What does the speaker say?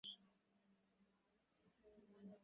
প্রার্থীদের কাছ থেকে তিন থেকে পাঁচ লাখ টাকা করে নেওয়া হয়েছে।